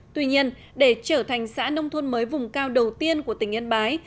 tuy nhiên để trở thành xã nông thôn mới vùng cao đầu tiên của tỉnh yên bái